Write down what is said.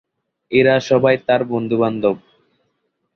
এরা সবাই তার বন্ধুবান্ধব।